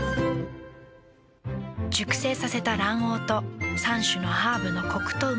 熟成させた卵黄と３種のハーブのコクとうま味。